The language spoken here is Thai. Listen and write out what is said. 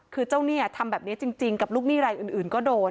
คือเจ้าหนี้ทำแบบนี้จริงกับลูกหนี้รายอื่นก็โดน